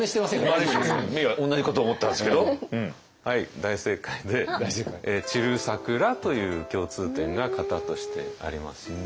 大正解で「散る桜」という共通点が型としてありますよね。